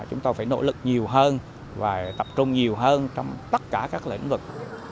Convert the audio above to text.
chúng tôi phải nỗ lực nhiều hơn và tập trung nhiều hơn trong tất cả các lĩnh vực